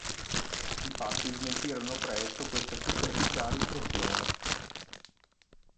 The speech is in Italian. I fatti smentirono presto questa superficiale impressione.